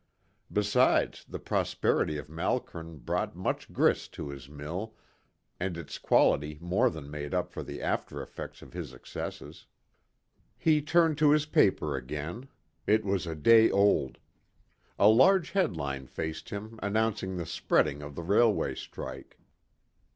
Besides, the prosperity of Malkern brought much grist to his mill, and its quality more than made up for the after effects of his excesses. He turned to his paper again. It was a day old. A large head line faced him announcing the spreading of the railway strike.